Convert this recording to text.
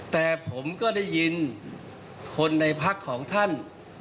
แต่ผมก็ได้ยินคนในพักของท่าน